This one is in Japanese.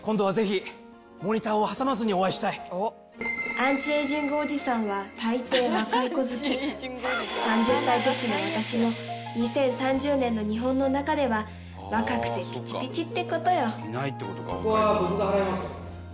「アンチエイジングおじさんはたいてい若い子好き」「３０歳女子の私も２０３０年の日本の中では若くてぴちぴちってことよ」